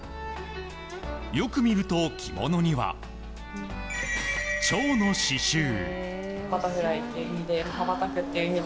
よく見ると、着物にはチョウの刺しゅう。